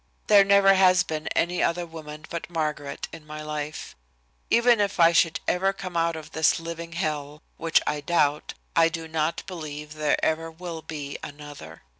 There never has been any other woman but Margaret in my life. Even if I should ever come out of this living hell, which I doubt, I do not believe there ever will be another.